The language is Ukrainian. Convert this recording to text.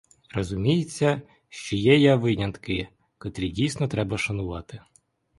Розуміється, що є я винятки, котрі дійсно треба шанувати.